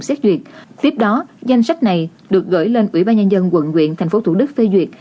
xét duyệt tiếp đó danh sách này được gửi lên ủy ban nhân dân quận quyện tp thủ đức phê duyệt